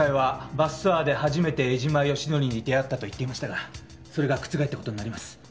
バスツアーで初めて江島義紀に出会ったと言っていましたがそれが覆った事になります。